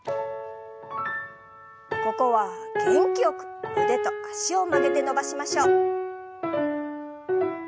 ここは元気よく腕と脚を曲げて伸ばしましょう。